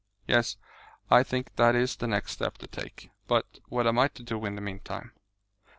"Yes, I think that is the next step to take. But what am I to do in the meantime?"